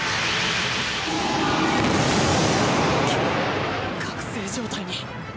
くっ覚醒状態に。